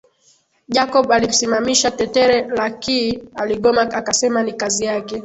Jacob alimsimamisha Tetere lakii aligoma akasema ni kazi yake